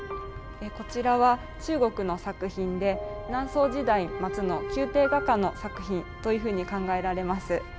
こちらは中国の作品で南宋時代末の宮廷画家の作品というふうに考えられます。